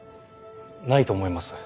ないと思います。